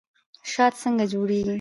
شات څنګه جوړیږي؟